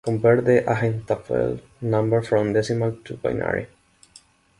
Convert the ahnentafel number from decimal to binary.